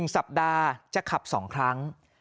สัปดาห์จะขับ๒ครั้ง